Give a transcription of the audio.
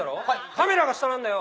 カメラが下なんだよ。